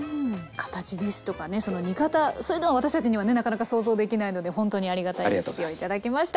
形ですとかねその煮方そういうのは私たちにはねなかなか想像できないのでほんとにありがたいレシピを頂きました。